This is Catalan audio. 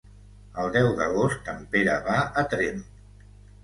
El deu d'agost en Pere va a Tremp.